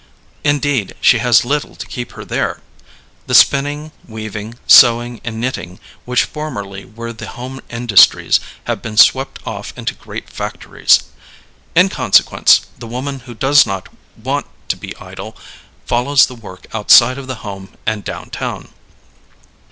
Indeed she has little to keep her there. The spinning, weaving, sewing, and knitting which formerly were the home industries have been swept off into great factories. In consequence the woman who does not want to be idle follows the work outside of the home and down town.